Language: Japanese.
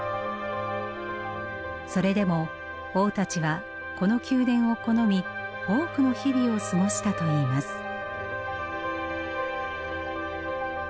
それでも王たちはこの宮殿を好み多くの日々を過ごしたといいます。